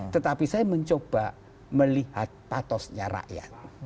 tetapi saya mencoba melihat patosnya rakyat